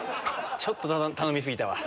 ちょっと頼み過ぎたわ。